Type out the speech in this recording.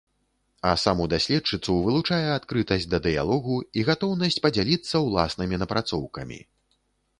А саму даследчыцу вылучае адкрытасць да дыялогу і гатоўнасць падзяліцца ўласнымі напрацоўкамі.